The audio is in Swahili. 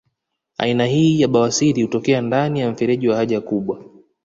Aina hii ya bawasiri hutokea ndani ya mfereji wa haja kubwa